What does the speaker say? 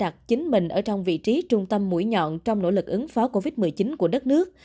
đặt chính mình ở trong vị trí trung tâm mũi nhọn trong nỗ lực ứng phó covid một mươi chín của đất nước